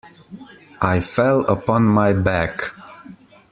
I fell upon my back.